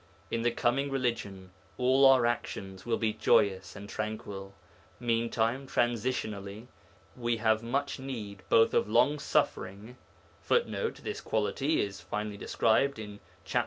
In the coming religion all our actions will be joyous and tranquil. Meantime, transitionally, we have much need both of long suffering [Footnote: This quality is finely described in chap.